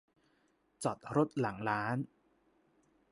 จอดรถหลังร้าน